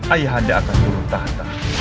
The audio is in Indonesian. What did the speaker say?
ayahanda akan turun tahta